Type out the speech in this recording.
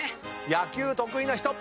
野球得意な人？